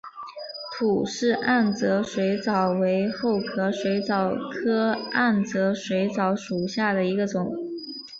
吐氏暗哲水蚤为厚壳水蚤科暗哲水蚤属下的一个种。